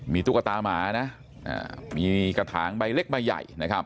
มีตุ๊กตาหมานะมีกระถางใบเล็กใบใหญ่นะครับ